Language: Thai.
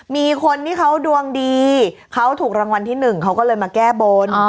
มีคนที่เขาดวงดีเขาถูกรางวัลที่หนึ่งเขาก็เลยมาแก้บน